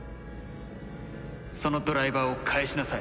そのドライバーを返しなさい！